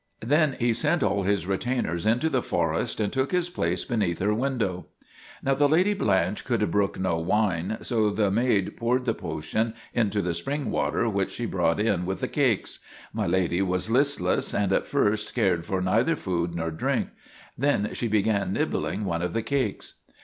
Then he sent all his retainers into the forest and took his place be neath her window. Now the Lady Blanche could brook no wine, so the maid poured the potion into the spring water which she brought in with the cakes. My Lady was listless and at first cared for neither food nor drink. Then she began nibbling one of the cakes.